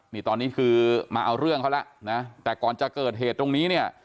นี่ตอนนี้คือมาเอาเรื่องเขาแล้วนะแต่ก่อนจะเกิดเหตุตรงนี้เนี่ย